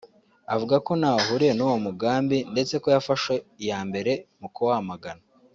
avuga ko ntaho ahuriye n’uwo mugambi ndetse ko yafashe iya mbere mu kuwamagana